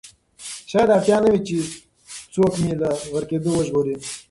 شاید اړتیا نه وي چې څوک مې له غرقېدو وژغوري.